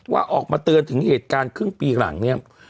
ออกมาเตือนถึงเหตุการณ์ครึ่งปีหลังเนี่ย